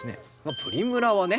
プリムラはね